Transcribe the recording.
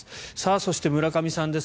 そして村上さんです。